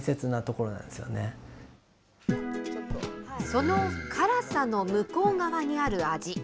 その辛さの向こう側にある味。